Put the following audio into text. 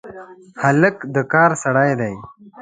هلک د کار سړی دی.